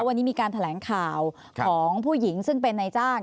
วันนี้มีการแถลงข่าวของผู้หญิงซึ่งเป็นนายจ้าง